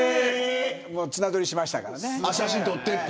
綱取りしましたからね。